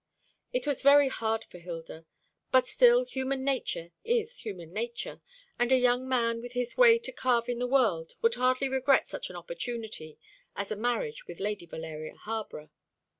It was very hard for Hilda: but still human nature is human nature, and a young man with his way to carve in the world would hardly regret such an opportunity as a marriage with Lady Valeria Harborough.